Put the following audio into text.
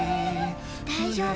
大丈夫。